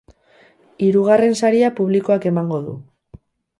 Hirugarren saria publikoak emango du.